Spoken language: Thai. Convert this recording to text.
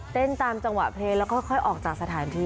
ตามจังหวะเพลงแล้วค่อยออกจากสถานที่